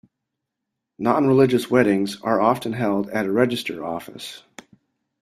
Non-religious weddings are often held at a Register Office